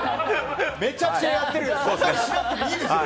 めちゃくちゃやってるよ。